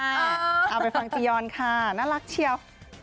เอาไปฟังจียอนค่ะน่ารักเชียว